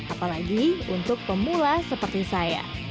apalagi untuk pemula seperti saya